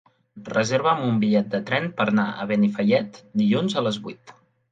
Reserva'm un bitllet de tren per anar a Benifallet dilluns a les vuit.